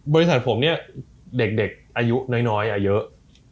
บริษัทผมเนี่ยเด็กอายุน้อยอายุเยอะ